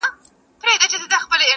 ما دعا دركړې ځه خداى دي پاچا كه؛